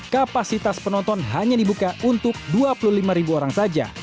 kapasitas penonton hanya dibuka untuk dua puluh lima ribu orang saja